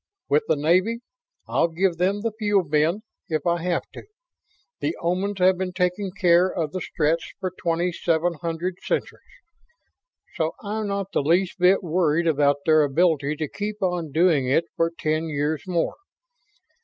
With the Navy, I'll give 'em the Fuel Bin if I have to. The Omans have been taking care of the Stretts for twenty seven hundred centuries, so I'm not the least bit worried about their ability to keep on doing it for ten years more.